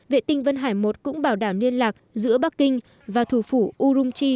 vệ tinh vân hải i cũng bảo đảm liên lạc giữa bắc kinh và thủ phủ urumqi